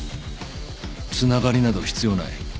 つながりなど必要ない。